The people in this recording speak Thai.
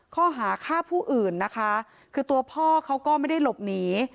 ข้อหาฆ่าผู้อื่นนะคะคือตัวพ่อเขาก็ไม่ได้หลบหนี